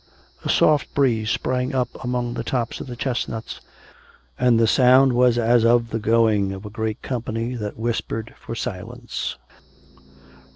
... A soft breeze sprang up among the tops of the chestnuts ; and the sound was as of the going of a great company that whispered for silence.